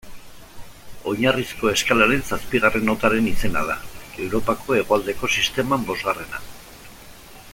Oinarrizko eskalaren zazpigarren notaren izena da, Europako Hegoaldeko sisteman bosgarrena.